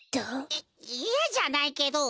いいやじゃないけどうわ！